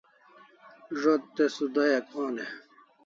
Zo't te sudayak on e ?